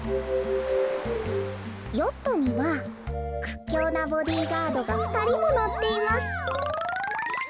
「ヨットにはくっきょうなボディーガードがふたりものっています」。